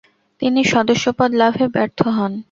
তিনি সদস্যপদ লাভে ব্যর্থ হন।